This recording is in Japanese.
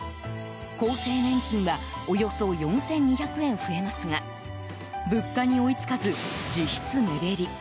厚生年金はおよそ４２００円増えますが物価に追い付かず、実質目減り。